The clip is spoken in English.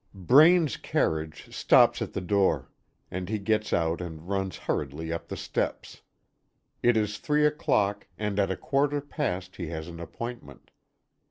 Braine's carriage stops at the door, and he gets out and runs hurriedly up the steps. It is three o'clock, and at a quarter past he has an appointment.